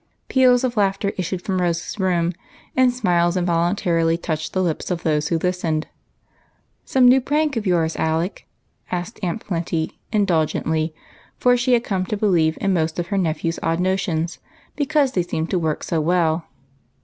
Peals of laughter issued from Rose's room, and smiles involuntarily touched the lips of those who listened to the happy sound. "Some new prank of yours, Alec?" asked Aunt Plenty, indulgently, for she had come to believe in most of her nephew's odd notions, because they seemed to. work so well.